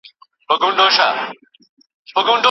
انا ماشوم ته وویل چې ایسته شه.